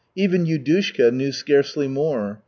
Even Yudushka knew scarcely more.